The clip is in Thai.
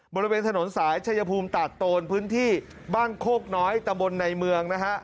บริเวณถนนสายชายภูมิตาดโตนพื้นที่บ้านโคกน้อยตะบนในเมืองนะฮะ